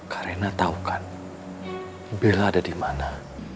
kak reina tau kan bella ada di mana